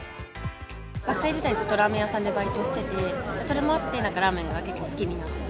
学生時代、ずっとラーメン屋さんでバイトしてて、それもあって、なんかラーメンが好きになって。